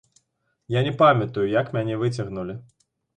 Я не памятаю, як мяне выцягнулі.